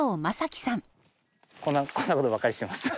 こんなこんなことばっかりしてます。